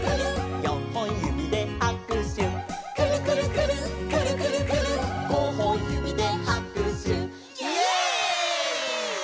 「よんほんゆびではくしゅ」「くるくるくるっくるくるくるっ」「ごほんゆびではくしゅ」イエイ！